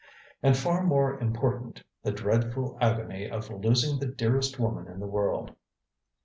And far more important, the dreadful agony of losing the dearest woman in the world."